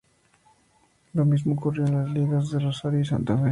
Lo mismo ocurrió en las ligas de Rosario y Santa Fe.